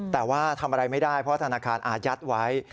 แต่ว่าทำอะไรไม่ได้เพราะธนาคารอายัดไว้